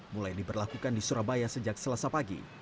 mulai diberlakukan di surabaya sejak selasa pagi